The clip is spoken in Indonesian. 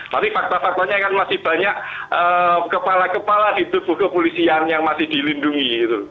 tapi fakta faktanya kan masih banyak kepala kepala di tubuh kepolisian yang masih dilindungi